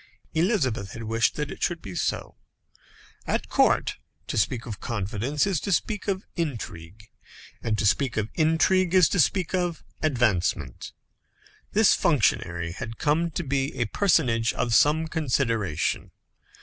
Elizabeth had wished that it should be so. At court, to speak of confidence is to speak of intrigue, and to speak of intrigue is to speak of advancement. This functionary had come to be a personage of some consideration.